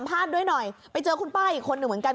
พลาดด้วยหน่อยไปเจอคุณป้าอีกคนหนึ่งเหมือนกัน